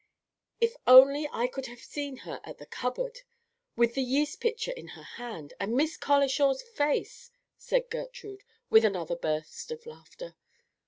"If only I could have seen her at the cupboard, with the yeast pitcher in her hand, and Miss Colishaw's face!" cried Gertrude, with another burst of laughter.